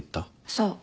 そう。